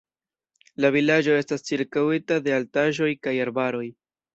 La vilaĝo estas ĉirkaŭita de altaĵoj kaj arbaroj.